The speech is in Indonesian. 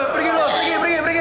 pergi lo pergi pergi pergi